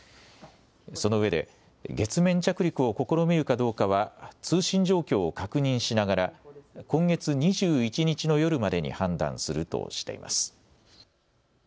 そのうえで月面着陸を試みるかどうかは通信状況を確認しながら今月２１日の夜までに判断するとしています。